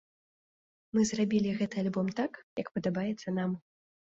Мы зрабілі гэты альбом так, як падабаецца нам.